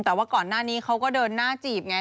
แต่ว่าก่อนหน้านี้เขาก็เดินหน้าจีบไง